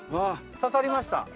刺さりました。